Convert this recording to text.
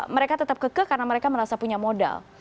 mereka tetap keke karena mereka merasa punya modal